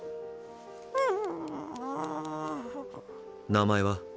名前は？